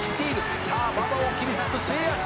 「さあ馬場を切り裂く末脚一閃！」